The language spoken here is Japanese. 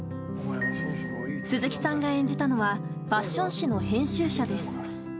鈴木さんが演じたのはファッション誌の編集者です。